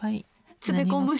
詰め込む日？